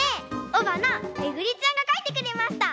おばなめぐりちゃんがかいてくれました。